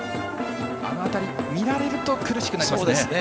あの辺り、見られると苦しくなりますね。